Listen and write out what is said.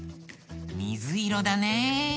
みずいろだね。